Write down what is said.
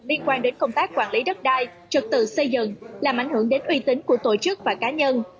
liên quan đến công tác quản lý đất đai trật tự xây dựng làm ảnh hưởng đến uy tín của tổ chức và cá nhân